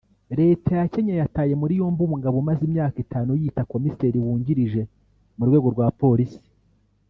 Leta ya Kenya yataye muri yombi umugabo umaze imyaka itanu yiyita komiseri wungirije mu rwego rwa Polisi